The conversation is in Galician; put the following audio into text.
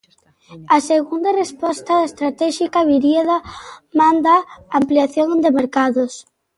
A segunda resposta estratéxica viría da man da ampliación de mercados.